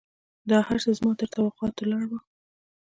دا هرڅه زما تر توقعاتو لوړ وو.